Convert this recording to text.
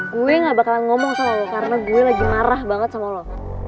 gue gak bakalan ngomong sama lu karena gue lagi marah banget sama lu